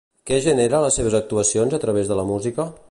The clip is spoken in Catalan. Què genera a les seves actuacions a través de la música?